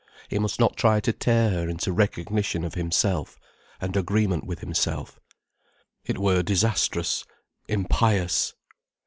He must not try to tear her into recognition of himself, and agreement with himself. It were disastrous, impious.